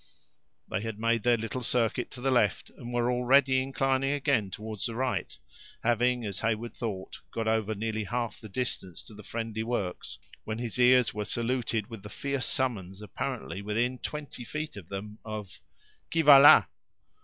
They had made their little circuit to the left, and were already inclining again toward the right, having, as Heyward thought, got over nearly half the distance to the friendly works, when his ears were saluted with the fierce summons, apparently within twenty feet of them, of: "Qui va là?"